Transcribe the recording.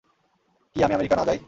কি আমি আমেরিকা না যাই?